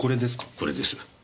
これです。